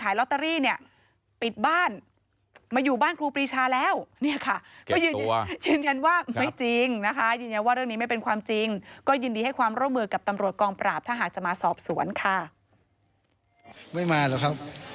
ครอบครัวเขามีหลายที่นะครับเขาอยู่ทางครอบครัวเขานะครับ